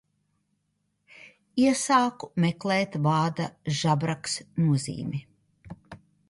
Iesāku meklēt vārda žabraks nozīmi.